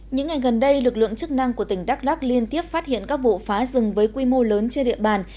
những ngày gần đây lực lượng chức năng của tỉnh đắk lắc liên tiếp phát hiện các vụ phá rừng với quy mô lớn trên địa bàn